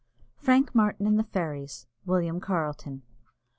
FRANK MARTIN AND THE FAIRIES. WILLIAM CARLETON.